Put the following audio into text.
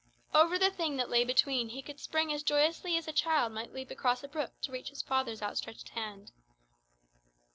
Over the Thing that lay between he could spring as joyously as a child might leap across a brook to reach his father's outstretched hand.